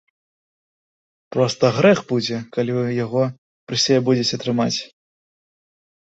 Проста грэх будзе, калі вы яго пры сабе будзеце трымаць.